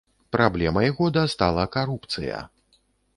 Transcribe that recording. Праблемай года стала карупцыя!